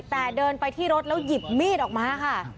แต่เดินไปที่รถแล้วหยิบมีดออกมาค่ะ